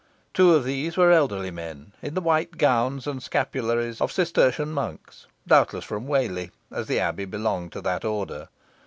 Two of these were elderly men, in the white gowns and scapularies of Cistertian monks, doubtless from Whalley, as the abbey belonged to that order.